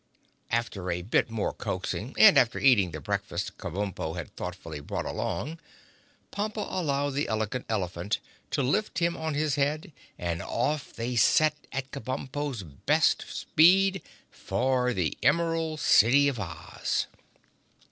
After a bit more coaxing and after eating the breakfast Kabumpo had thoughtfully brought along, Pompa allowed the Elegant Elephant to lift him on his head and off they set at Kabumpo's best speed for the Emerald City of Oz.